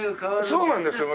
そうなんですよ。